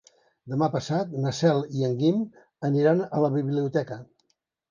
Demà passat na Cel i en Guim aniran a la biblioteca.